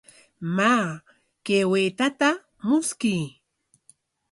Maa, kay waytata mushkuy.